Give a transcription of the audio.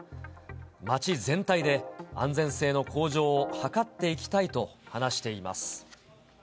街全体で安全性の向上を図っていきたいと話しています。